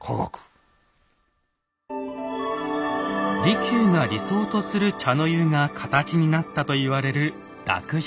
利休が理想とする茶の湯が形になったと言われる樂茶碗。